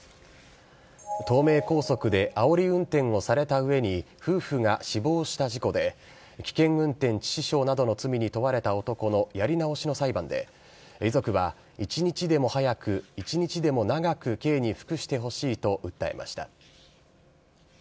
東名高速であおり運転をされたうえに、夫婦が死亡した事故で、危険運転致死傷などの罪に問われた男のやり直しの裁判で、遺族は、一日でも早く、一日でも長く刑に服してほしいと訴えました。